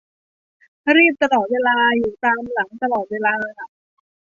รีบตลอดเวลา อยู่ตามหลังตลอดเวลา